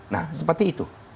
nah seperti itu